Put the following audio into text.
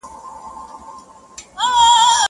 ځوان خپل څادر پر سر کړ.